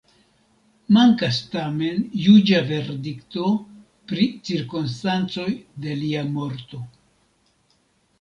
Mankas tamen juĝa verdikto pri cirkonstancoj de lia morto.